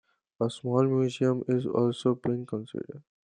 A small museum is also being considered.